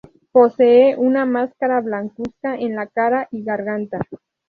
Posee una máscara blancuzca en la cara y garganta.